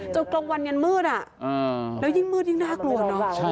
กลางวันยันมืดแล้วยิ่งมืดยิ่งน่ากลัวเนอะ